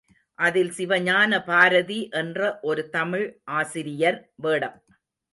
அதில் சிவஞான பாரதி என்ற ஒரு தமிழ் ஆசிரியர் வேடம்.